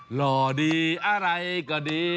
เหลาดีอะไรก็ดี